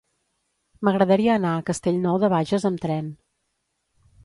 M'agradaria anar a Castellnou de Bages amb tren.